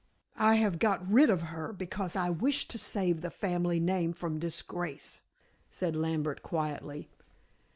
"I have got rid of her because I wish to save the family name from disgrace," said Lambert quietly.